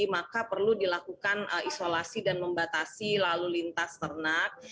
maka perlu dilakukan isolasi dan membatasi lalu lintas ternak